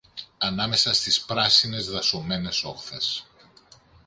ανάμεσα στις πράσινες δασωμένες όχθες